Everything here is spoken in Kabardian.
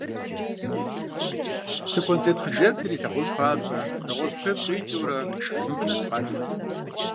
Тыкуэнтет хъыджэбзыр илъагъун папщӏэ, нэгъуэщӏ куейм къикӏыурэ мыбы нэс къакӏуэрт.